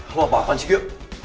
lu apa apaan sih gio